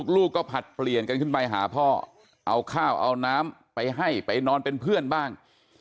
ลูกก็ผลัดเปลี่ยนกันขึ้นไปหาพ่อเอาข้าวเอาน้ำไปให้ไปนอนเป็นเพื่อนบ้าง